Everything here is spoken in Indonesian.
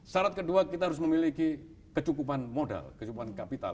syarat kedua kita harus memiliki kecukupan modal kecukupan kapital